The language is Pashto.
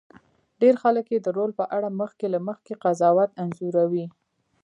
ډېر خلک یې د رول په اړه مخکې له مخکې قضاوت انځوروي.